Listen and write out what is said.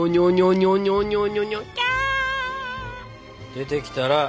出てきたら。